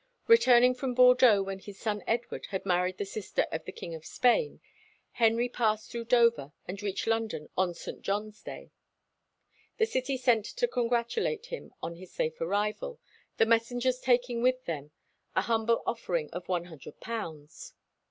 Returning from Bordeaux when his son Edward had married the sister of the King of Spain, Henry passed through Dover and reached London on St. John's Day. The city sent to congratulate him on his safe arrival, the messengers taking with them a humble offering of one hundred pounds.